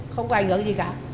không có ảnh hưởng gì cả